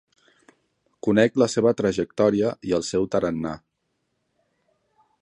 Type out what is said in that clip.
Conec la seva trajectòria i el seu tarannà.